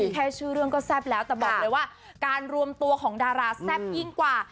แค่ชื่อเรื่องก็แซ่บแล้วแต่บอกเลยว่าการรวมตัวของดาราแซ่บยิ่งกว่า